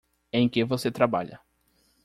Em que você trabalha.